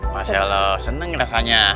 masya allah seneng rasanya